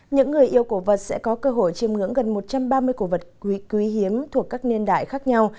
những người yêu cổ vật sẽ có cơ hội chiêm ngưỡng gần một trăm ba mươi cổ vật quý hiếm thuộc các niên đại khác nhau